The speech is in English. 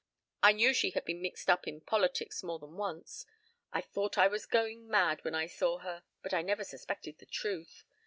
I knew she had been mixed up in politics more than once. I thought I was going mad when I saw her, but I never suspected the truth.